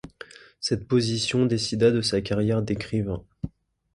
Cette position décida de sa carrière d’écrivain.